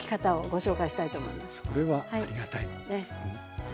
それはありがたい。